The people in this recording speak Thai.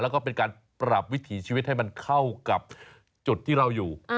แล้วก็เป็นการปรับวิถีชีวิตให้มันเข้ากับจุดที่เราอยู่